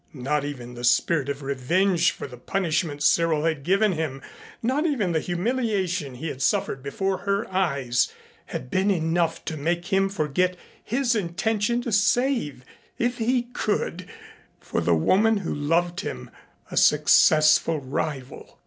Not even the spirit of revenge for the punishment Cyril had given him, not even the humiliation he had suffered before her eyes had been enough to make him forget his intention to save, if he could, for the woman who loved him, a successful rival.